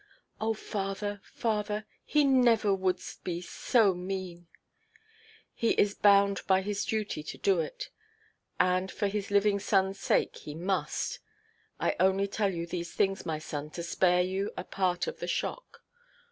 "Oh, father, father, he never would be so mean——" "He is bound by his duty to do it—and for his living sonʼs sake he must. I only tell you these things, my son, to spare you a part of the shock.